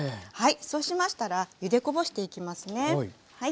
はいそうしましたらゆでこぼしていきますね。